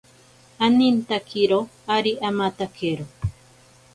Anintakiro ari amatakero.